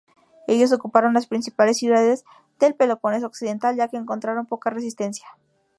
Ellos ocuparon las principales ciudades del Peloponeso occidental ya que encontraron poca resistencia.